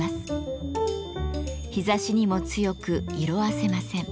日ざしにも強く色あせません。